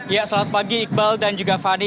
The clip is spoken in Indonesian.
ya selamat pagi iqbal dan juga fani